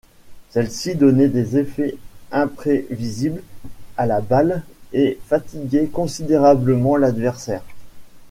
Celle-ci donnait des effets imprévisibles à la balle et fatiguait considérablement l'adversaire.